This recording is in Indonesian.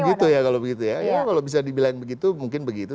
oh gitu ya kalau begitu ya kalau bisa dibilang begitu mungkin begitu